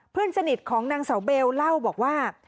เพื่อนสนิทของนางเสาเบลเล่าบอกว่า